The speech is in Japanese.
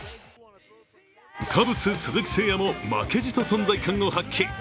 カブス・鈴木誠也も負けじと存在感を発揮。